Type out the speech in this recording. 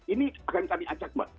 ini akan kami acak mbak